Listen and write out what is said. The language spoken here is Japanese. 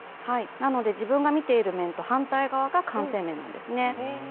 なので自分が見ている面と反対側が完成面なんですね。